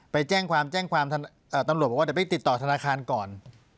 ไปแจ้งความแจ้งความตำรวจบอกว่าเดี๋ยวไปติดต่อธนาคารก่อน